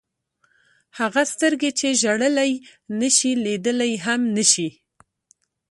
هغه سترګې چې ژړلی نه شي لیدلی هم نه شي.